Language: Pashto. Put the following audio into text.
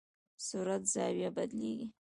سرعت زاویه بدلېږي.